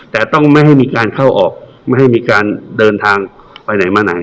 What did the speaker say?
แต่ต้องไม่ให้มีการเข้าออกไม่ให้มีการเดินทางไปไหนมาไหน